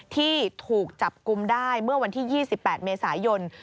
ที่ถูกจับกลุ่มได้เมื่อวันที่๒๘เมษายน